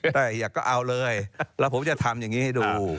แต่อยากก็เอาเลยแล้วผมจะทำอย่างนี้ให้ดู